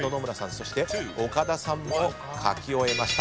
そして岡田さんも書き終えました。